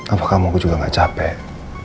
apa kamu juga enggak capek